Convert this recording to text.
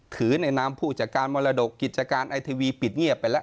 ในนามผู้จัดการมรดกกิจการไอทีวีปิดเงียบไปแล้ว